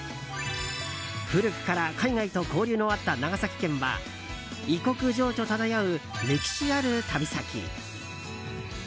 古くから海外と交流のあった長崎県は異国情緒漂う歴史ある旅先。